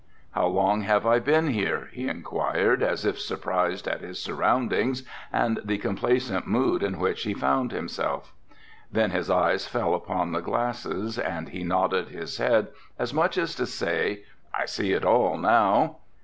"How long have I been here?" he inquired, as if surprised at his surroundings and the complaisant mood in which he found himself. Then his eyes fell upon the glasses and he nodded his head as much as to say, "I see it all now."